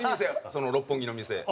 その六本木の店。